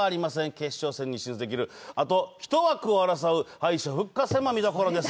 決勝戦に進出できるあと１枠を争う敗者復活戦も見どころです。